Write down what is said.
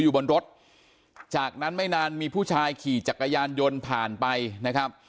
อยู่บนรถจากนั้นไม่นานมีผู้ชายขี่จักรยานยนต์ผ่านไปนะครับ